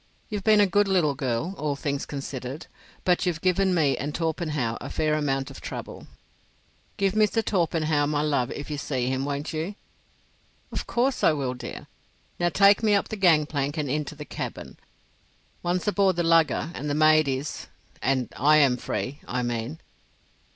You've been a good little girl, all things considered, but you've given me and Torpenhow a fair amount of trouble." "Give Mr. Torpenhow my love if you see him, won't you?" "Of course I will, dear. Now take me up the gang plank and into the cabin. Once aboard the lugger and the maid is—and I am free, I mean."